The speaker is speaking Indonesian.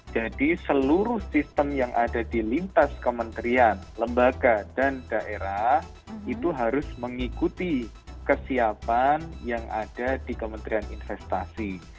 jadi seluruh sistem yang ada di lintas kementerian lembaga dan daerah itu harus mengikuti kesiapan yang ada di kementerian investasi